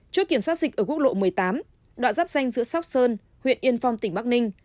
trước kiểm soát dịch ở quốc lộ một mươi tám đoạn giáp danh giữa sóc sơn huyện yên phong tỉnh bắc ninh